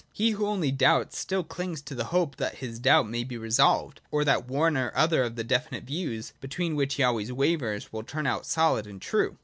He who only doubts still clings to the hope that his doubt may be resolved, and that one or other of the definite views, between which he wavers, will turn out solid and true.